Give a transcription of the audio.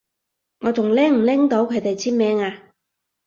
我仲拎唔拎到佢哋簽名啊？